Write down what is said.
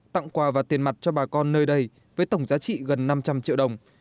tặng quà và tiền mặt cho bà con nơi đây với tổng giá trị gần năm trăm linh triệu đồng